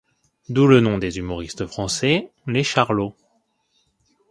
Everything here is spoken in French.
D'où le nom des humoristes français, les Charlots.